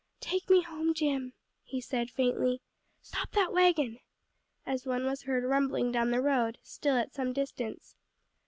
"Take me home, Jim," he said faintly. "Stop that wagon," as one was heard rumbling down the road, still at some distance.